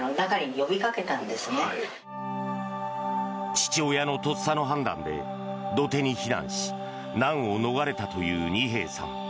父親のとっさの判断で土手に避難し難を逃れたという二瓶さん。